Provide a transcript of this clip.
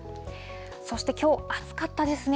そしてきょう、暑かったですね。